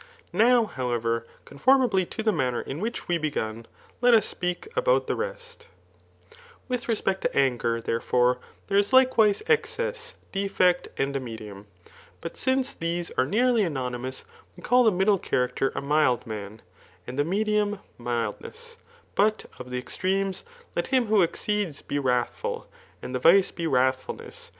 Now, however, conformably to the manner in which we begun, let us speak about the rest. Digitized by Google GHAPi YIU ttHICS* 67 VT^ tesptCt to anger, therefOTe, there k fil^ewise tscaVf def«ct, and a medium ; but since theae we nearly am^ymous^ we call the middle charatiter a mild man» and the medium tnildness^ But of the extremes, let him ^ho exceeds be wrathful^ and the vice be wrathfulness.